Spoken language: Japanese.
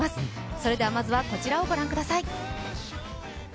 それでは、まずはこちらをご覧ください。